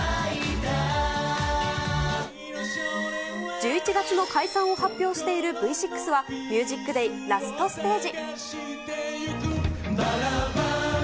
１１月の解散を発表しているＶ６は、ＴＨＥＭＵＳＩＣＤＡＹラストステージ。